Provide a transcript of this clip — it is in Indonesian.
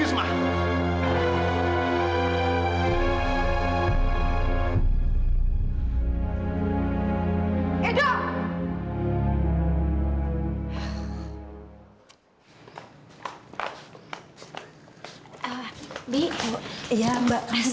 itu bicara apa sih